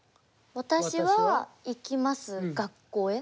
私は行きます学校へ？